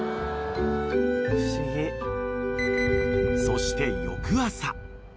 ［そして翌朝］